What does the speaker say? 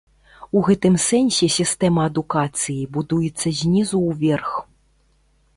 У гэтым сэнсе сістэма адукацыі будуецца знізу ўверх.